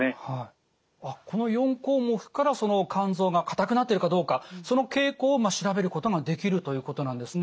あっこの４項目から肝臓が硬くなってるかどうかその傾向を調べることができるということなんですね。